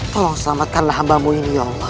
tolong selamatkanlah hambamu ini